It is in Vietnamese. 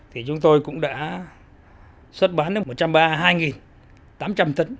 thì chúng tôi cũng đã xuất bán được một trăm ba mươi hai tám trăm linh tấn